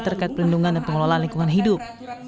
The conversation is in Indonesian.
terkait pelindungan dan pengelolaan lingkungan hidup